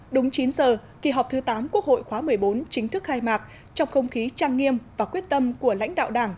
đúng chín giờ kỳ họp thứ tám quốc hội khóa một mươi bốn chính thức khai mạc trong không khí trang nghiêm và quyết tâm của lãnh đạo đảng